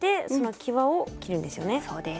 そうです。